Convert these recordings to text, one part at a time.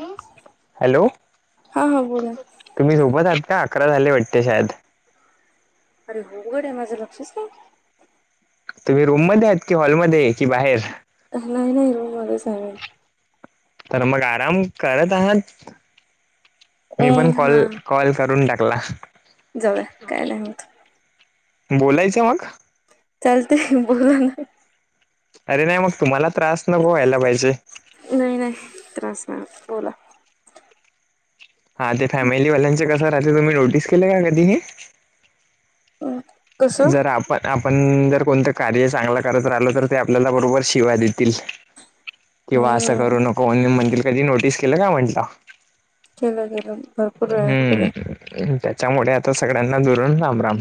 हो.. हॅलो, हा हा बोला. तुम्ही झोपत आहात का अकरा झाले वाटतं शायद? अरे हो अवघड आहे, माझं लक्षच नाही. तुम्ही रूममध्ये आहेत, की हॉलमध्ये, की बाहेर.? नाही नाही रूममध्येच आहे मी. तर मग आराम करत आहात? मी पण अं कॉल, कॉल करून टाकला. जाऊया काय नाय होत, बोलायचं मग. चालतंय बोला ना, अरे नाही मग तुम्हाऊला त्रास नको व्हायला पाहिजे. नाही, नाही त्रास नाही होत बोला. हा ते फॅमिलीवाल्यांचे कसं राहते, तुम्ही नोटीस केले का कधी? [unintelligible] जरा आपण आपण जर कोणतं कार्य चांगलं करत राहिलो तर ते आपल्याला बरोबर शिव्या देतील किंवा असं हम्म करू नको म्हणून म्हणतील कधी नोटीस केलं का म्हंटलं. केलं काय? हम्म त्याच्यामुळे आता सगळ्यांना दुरून राम- राम.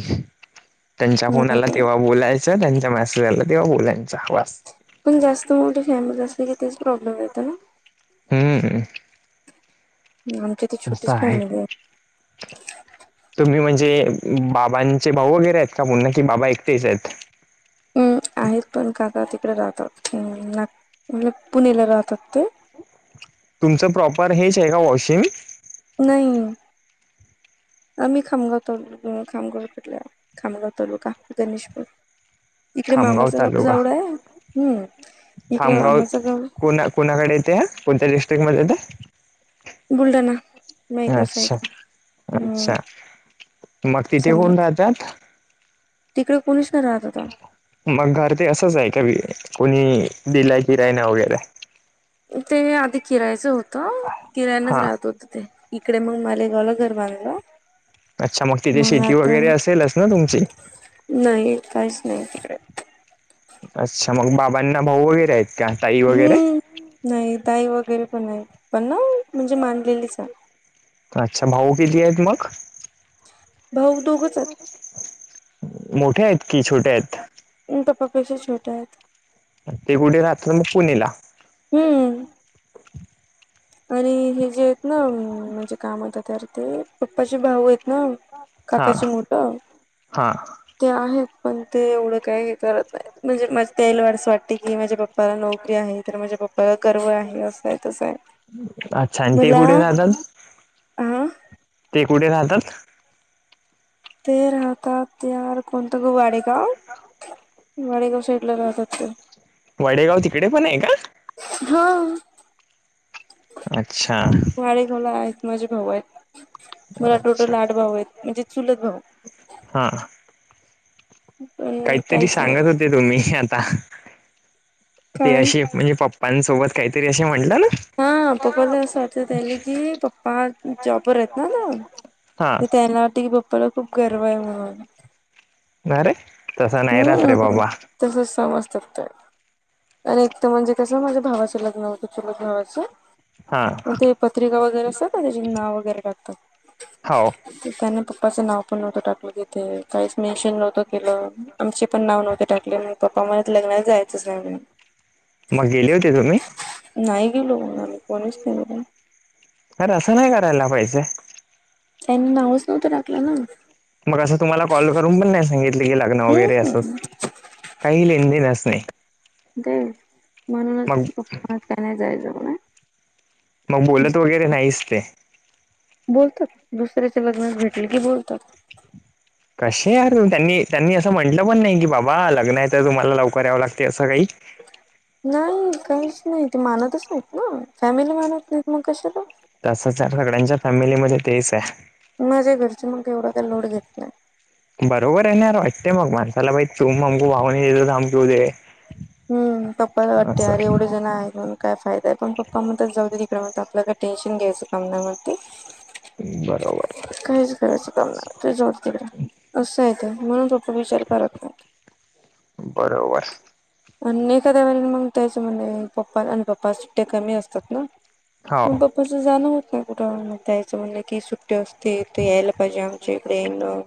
त्यांच्या फोन आला हम्म तेव्हा बोलायचं त्यांच्या मेसेज आला तेव्हा बोलायचं वास. पण जास्त मोठ फॅमिली असली की तेच प्रॉब्लेम येतं ना. हम्म. [inaudible] असं आहे. तुम्ही म्हणजे बाबांचे भाऊ वगैरे आहेत. का पुन्हा कि बाबा एकटेच आहेत? हम्म आहेत पण काका तिकडे राहतात न म्ह पुणेला राहतात ते. तुमचं प्रॉपर हेच आहे का वॉशिंग? नाही. आम्ही खामगाव तालुका खामगाव कडल्या खामगाव तालुका गणेशपूर इकडे खामगाव मामाचं गाव तालुका जावडा आहे. हम्म इकडे मामाचं गाव. कुणाकडे इथे कोणत्या डिस्ट्रिक्ट मध्येे येत? बुलढाणा मेकर अच्छा साईडला अच्छा हम्म समर. जात. तिकडे कोणीच नाही राहत आता. मग घर ते असंच आहे का कोणी दिलाय किराय ना वगैरे? ते आधी किरायचं होतं किरायनच हा राहत होत. ते इकडे मग मले झालं घर बांधलं अच्छा तिथे मग शेती आता वगैरे असेलच ना तुमची नाही काहीच नाही तिकडे. अच्छा मग बाबांना भाऊ वगैरे आहेत. का ताई वगैरे? हम्म नाही ताई वगैरे पण नाही पण ना म्हणजे मानलेलीच आ. अच्छा भाऊ किती आहेत मग? भाऊ दोघच मोठे आहेत की छोटे आहेत? म पप्पा पेक्षा छोटे आहेत. ते कुठे राहत मग पुणेला? हम्म. आणि हे जे आहेत ना म्हणजे का म्हणतात तर ते पप्पाचे भाऊ आहेत ना हां काकाची मोठ हां ते आहेत पण ते एवढं काही हे करत नाही. म्हणजे मझ [unintelligible] वाटत की माझ्या पप्पाला नोकरी आहे. तर माझ्या पप्पाला गर्व आहे असं आहे तसं आहे. अच्छा. आणि ते मला कुठे राहतात हा ते कुठे राहतात? ते राहतात ते यार कोणतं गाव वाडेगाव वाडेगाव साईड ला राहतात ते. वाडेगाव तिकडे पण आहे का? हा. अच्छा. वाडेगावला आहेत. माझे भाऊ आहेत. मला टोटल आठ भाऊ आहेत. म्हणजे चुलत भाऊ. हा. पण काहीतरी काहीच नाही सांगत होते तुम्ही आता ते काय अशे म्हणजे पप्पांसोबत काहीतरी असे म्हणला ना? हा पप्पाला अस वाटून राहिला की पप्पा जॉबवर आहेत ना आता हां त त्यांना वाटते की पप्पाला खूप गर्व आहे म्हणून नायरे हम्म तसच समजतात ते आणि एक तर म्हणजे कसं माझ्या भावाचं लग्न होतं चुलत भावाचं हां म ते पत्रिका वगैरे असतात का त्याचे नाव वगैरे टाकतात हो ते त्याने पप्पाचं नाव पण नव्हतं टाकलं तिथे काहीच मेंशन नव्हतं केलं आमची पण नाव नव्हती टाकले मग पप्पा मला लग्न जायच नाही म्हणून मग गेले होते तुम्ही नाही गेलो मग आम्ही कोणीच नाही गेलो अर असं नाही करायला पाहिजे टेन नाऊस नव्हतं टाकला ना मग असं तुम्हाला कॉल करून पण नाही सांगितले की लग्न वगैरे हम्म असं काही लेन देनच नाही ते म्हणूनच मग पपा म्हणतात कायनाय जायच म्हणे मग बोलत वगैरे नाहीच ते बोलतात दुसऱ्याच्या लग्नात भेटले की बोलतात कसे यार त्यांनी, त्यांनी असं म्हटलं पण नाही की बाबा लग्न आहे तर तुम्हाला लवकर यावं लागते असं काही नाही काहीच नाही ते मानतच नाही ना फॅमिली मानत नाहीत मग कशाला तसंच आहे सगळ्यांच्या फॅमिलीमध्ये तेच आहे माझ्या घरची मग एवढा काय लोड घेत नाही बरोबर आहे ना यार वाटते मग माणसाला बाई चू [unintelligible] हम्म पप्पाला वाटते अरे एवढे जण आहेत म्हणून काय फायदाय पण पप्पा म्हणतात जाऊ तिकडे म्हण आपला का टेन्शन घ्यायचं काम नाई म्हणते बरोबर काहीच करायचं काम नाही ते जाऊदे तिकडे असं आहे ते म्हणून पप्पा विचार करत नाही बरोबर आणि एखाद्या वेळे मग त्याच म्हण पप्पा आणि पप्पा सुट्ट्या कमी असतात ना हो पण पप्पाचं जाणं होतं कुठ त्याय असं म्हणे की सुट्टी असते त यायला पाहिजे आमच्या इकडे येणं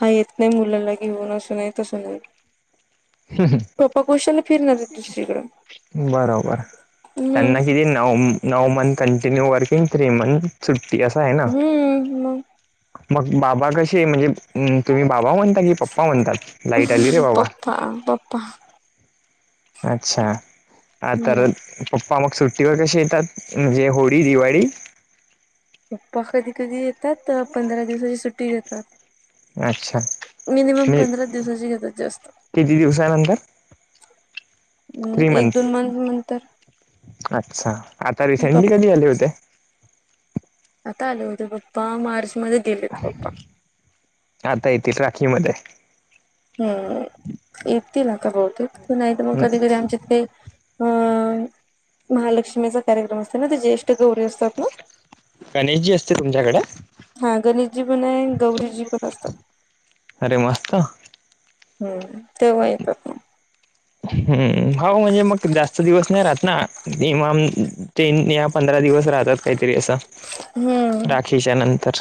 हा येत नाही मुलांला घेऊन असं नाही तसं नाही ह, ह पप्पा कशाला फिरणार आहेत दुसरीकडं बरोबर त्यांना हम्म किती नऊम नऊ month continue working three month सुट्टी असं आहे ना हम्म मग मग बाबा कसे म्हणजे तुम्ही बाबा म्हणता की पप्पा म्हणतात लाईट आली रे बाबा ह पप्पा अच्छा आ तर हम्म पप्पा मग सुट्टीवर कसे येतात म्हणजे होळी, दिवाळी पप्पा कधी, कधी येतात पंधरा दिवसाची सुट्टी घेतात अच्छा मिनिमम मी पंधरा दिवसाची घेतात जास्त किती दिवसानंतर हम एक, दोन मंथ नंतर अच्छा आता प रिसेंटली कधी आले होते आता आल होते पप्पा मार्च मध्ये गेलेत पप्पा आता येतील राखी मध्ये हम् येतील आता बहुतेक, नाही तर मग हम्म. कधी-कधी आमच्या त काही अ, महालक्ष्मीचा कार्यक्रम असते ना ते ज्येष्ठ गौरी असतात ना? गणेशजी असते तुमच्याकडे हा गणेशजी पण ये, गौरीजी पण असतात. अरे मस्त! हम्म, तेव्हा येतात म. हम्म हाव, म्हणजे मग जास्त दिवस नाही राहत नाम मग तीन या पंधरा दिवस राहतात काहीतरी अस हम्म राखीच्या नंतर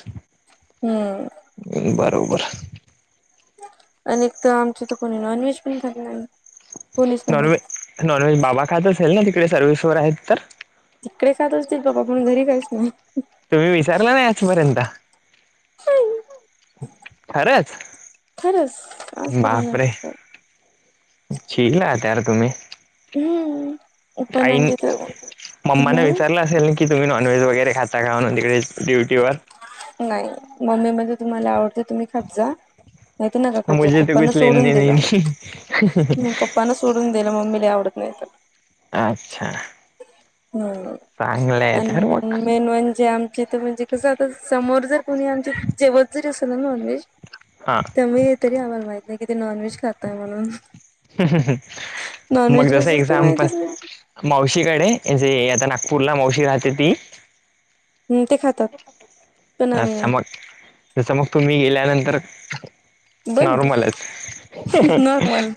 हम्म बरोबर अणि कतर आमची तर कोणी नॉनव्हेज पण खात नायी नॉन व्हेज, नॉनव्हेज बाबा खात असेल ना तिकडे सर्विस वर आहेत तर तिकडे खात असतील बाबा पण घरी काहीच नायी. तुम्ही विचारला नाही आजपर्यंत, नाही खरच? खरच बापरे! चील राहता यार तर तुम्ही हम्म पण आईन, आमच्या इथे मम्माने हम्म विचारला म्हणली की तुम्ही नॉनव्हेज वगैरे खाता काय नॉनव्हेज ड्युटीवर? नायी, मम्मी म्हणली तुम्हाला आवडते तुम्ही खात जा नाहीत नका खात जाऊ मग मुझे तो पप्पना कुछ लेने सोडून दिल, देने नहीं मग पप्पान सोडून दिल मग मम्मीला आवडत नायी त अच्छा ह, चांगलं आहे तर मग आणि मेन म्हणजे आमची कस आता समोर जर कोणी आमचे जेवत जरी असेल ना नॉनव्हेज हा त्यामुळे तरी आम्हाला माहित नायी कि ते नॉनव्हेज खाताय म्हणून मग, नॉनव्हेज जस कसं असते एक्झाम्पल माहितीच नाही मावशीकडे, ए जे आता नागपूरला मावशी राहते ती ह, ते खातात पण अस आम्ही नाही मग, तस मग तुम्ही गेल्यानंतर बंद नॉर्मलच नॉर्मल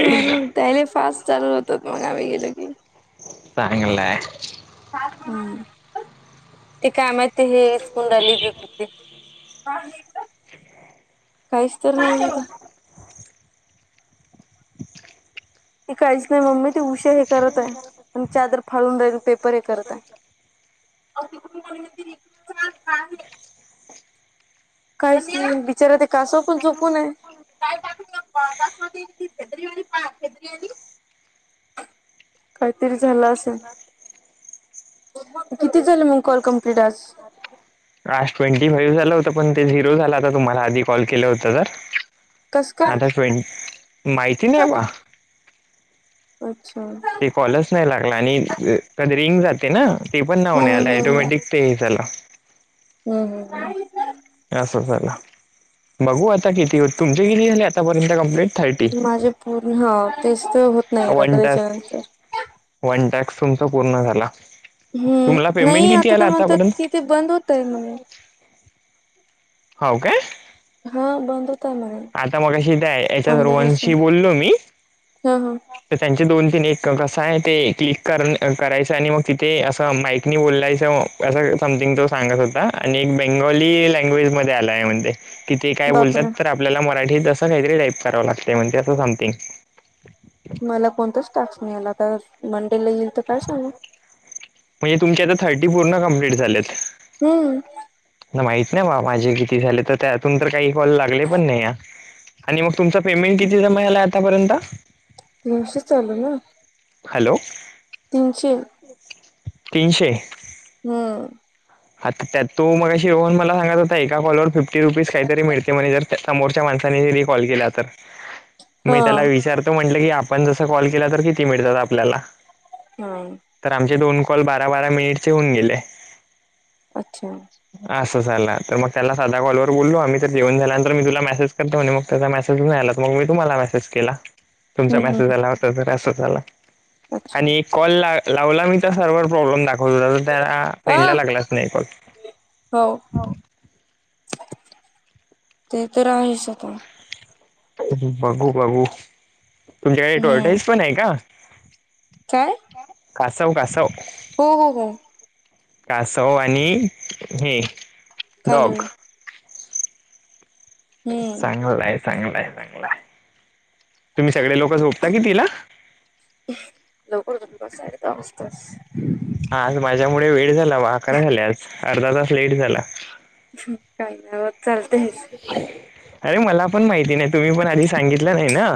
नॉर्मल, तायले फास्ट चालू होतात मग आम्ही गेलो की सांगलाय ह, ते काय माहिती हेच कुंडली च ते काहीच, तर नाही [unintelligible] ती काहीच नायी मम्मी, ती उषा हे करत आहे, प चादर फाडून राहिल पेपर हे करत आहे [unintelligible] [unintelligible] काहीच त बिचारा ते कासोपन झोपूनय काहीतरी झाल असेल किती झाले, मग कॉल कम्प्लीट आज? आज ट्वेंटी फाईव्ह झाल होत पण ते झिरो झाला होता तुम्हाला आधी कॉल केल होत तर कस काय आता ट्वेंटी माहिती नाही बा अच्छा कॉलस नाही लागला आणि कधी रिंग जाते ना ते पण ना हो हम्म आले हम्म. टोमॅटिक ते हे झाला हम्म हम हम हे असं झालं बघू आता किती तुमचे किती झाले आतापर्यंत कंप्लेंट? माझे पूर्ण हा तेच तर होत नाही आता वन टास्क त्याच्यानंतर. वन टास्क तुमचा पूर्ण झाला. तुम्हाला हम्म पेमेंट नई किती आता आला तर म्हणतात कि आतापर्यंत ते बंद होतय म्हणून. हव काय हो बंद होतय म्हणे आता मगशी त्या याच्यात मंडेपासून रोहनशी बोललो मी. हा हा तर त्यांचे दोन तीन एक कसा आहे ते क्लिक कर करायचं आणि मग तिथे असं माईकनी बोलायचं. असा समथिंग तो सांगत होता आणि एक बेंगोली लँग्वेज मध्ये आलाय म्हणते. कि ते काय बोलतात बापरे तर आपल्याला मराठीत असं काहीतरी टाईप करावं लागत म्हणजे असं समथिंग. मला कोणताच टास्क नाही आला तर मंडेला येईल तर काय सांगू. म्हणजे आता तुमचे थर्टी पूर्ण कमप्लीट झालेत. हम्म माहित नाही बा माझे किती झाले तर त्यातून तर काही कॉल लागले पण नाही या. आणि मग तुमचं पेमेंट किती जमा झालाय आतापर्यंत? तीनशेच आल ना. हॅलो तीनशे तीनशे हम्म. आता त्यात तो मगाशी येवुन मला सांगत होता एका कॉलवर फिफ्टी रुपीज काहीतरी मिळते म्हणे जर समोरच्या माणसांनी जरी कॉल केला तर मी त्याला हा विचारतो म्हंटलं की आपण जस कॉल केला तर किती मिळतात आपल्याला हा तर आमचे दोन कॉल बारा बारा मिनिटचे होऊन गेले. अच्छा! असं चाला तर मग त्याला साधा कॉलवर बोललो आम्ही तर जेवन झाल्यानंतर मी तुला मेसेज करतो म्हणे मग. त्याचा मेसेज नाही आलात मग मी तुम्हाला मेसेज केला. तुमचा मेसेज हम्म आला होता तर असं झाला अच्छा आणि कॉल ला लावला मी तर सर्वर प्रॉब्लेम दाखवत हो त्याला आ फ्रेंड लागला. हो. ते तर आहेच आता बघू बघू तुमच्याकडे हम्म टॉर्टाईस पण आहे का? काय? कासव कासव. हो हो गए कासव आणि हे, डॉग कलुयी. हम्म चांगलं हाय चांगलं हाय चांगला हाय तुम्ही सगळे लोक झोपता कीतीला? लवकर झोपतो साडे दहा वाजताच. आज माझ्यामुळे वेळ झाला बा अकरा झाले आज अर्धा तास लेट झाला. काइ नाय होत चालतयच. अरे मला पण माहिती नाही तुम्ही पण आधी सांगितलं नाही ना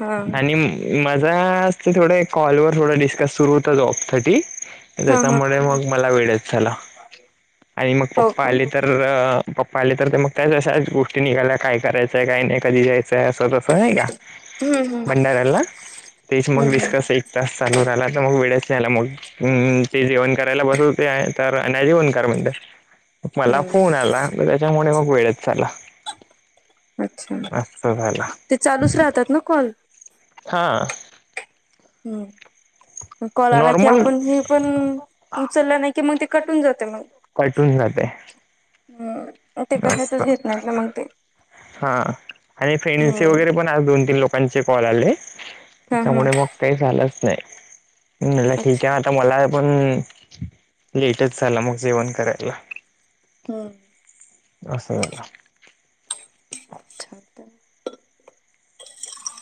हा आणि- माझा ते थोडं कॉलवर थोडा डिस्कस सुरू होता जॉबसाठी हा हा त्याच्यामुळे मग मला वेळच झाला आणि मग हो पप्पा का आले तर पप्पा आले तर ते मग त्याच अशाच गोष्टी निघायल्या काय करायचं काय नाही कधी जायचंय असं होय का हम्म हम्म भंडारला, तेच हम्म मग हम्म डिस्कस तास चालू राहिला तर मग वेळेतच नाही ना मोडत हम्म ते जेवण करायला बसत होते तर अ जेवणकार म्हणत मला फोन हम्म आला त्याच्यामुळे मग वेळच झाला अच्छा असत झाला ते चालूच राहतात ना कॉल? हं हम्म कॉल आला की नॉर्मल आपण हे पण उचलं नाही की मग ते कट होऊन जाते मग कट होऊन जाते हम्म ते जास्त कशातच घेत नाहीत ना मग ते हा आणि फेणीचे हम्म वगैरे पण त्या दोन तीन लोकांचे कॉल आले हा हा त्यामुळे मग काही झालंच नाही ला ठीक अच्छा. आहे आता मला पण लेटच झाला मग जेवण करायला हम्म अस झाल [unintelligible]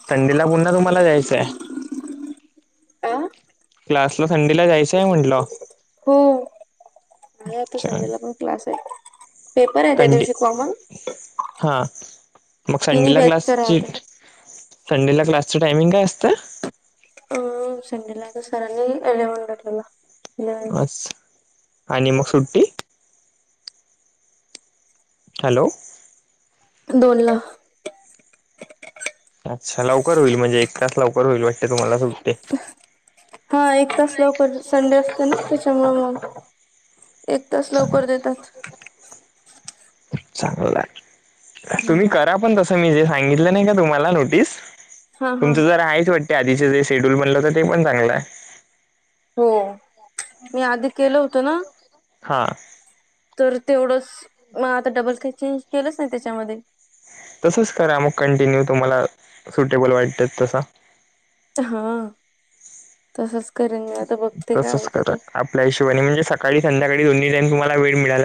संडेला पुन्हा तुम्हाला जायचं हाय अ क्लासला संडेला जायचं हाय म्हटलं हो आता छान संडेला पण क्लास आहे पेपर आहेत त्या कंटी दिवशी कॉर्मन हा मग तिन्ही संडेला बॅचचा क्लासची राहत आहे. संडेला क्लासचं टायमिंग काय असतं? अं संडेला आता सरांनी एलेवणला ठेवला. इलेव्हन अस, आणि मग सुट्टी? हॅलो! बोला अच्छा, लवकर होईल म्हणजे एक तास लवकर होईल वाटते तुम्हाला सुट्टी. हा, एक तास लवकर, संडे असते ना त्याच्यामुळं मग, एक तास चांगलं. लवकर देतात. चांगल हाय, हा तुम्ही करा पण तस [unintelligible] जे सांगितली नाही का तुम्हाला नोटिस हा हा तुमचे [unintelligible] आहेत वाटत [unintelligible] शेड्यूल म्हणलं तर ते पण चांगलं हाय हो मी आधी केलं होतं ना हं तर तेवढंच, मग आता डबल काही चेंज केलंच नाही त्याच्यामध्ये तसंच करा मग कंटिन्यू तुम्हाला सुटेबल वाटत तसा हा तसच करेन मी आता बघते काय तसंच होतं करा ते आपल्या हिशोबानी म्हणजे सकाळी संधकाळी दोन्ही ज तुम्हा वेळ मिळाला.